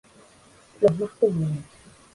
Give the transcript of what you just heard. Los más comunes.